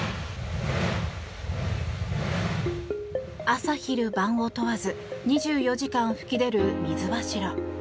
朝昼晩を問わず２４時間、噴き出る水柱。